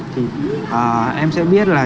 thì em sẽ biết là